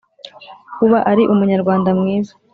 kuba ari umunyarwanda mwiza;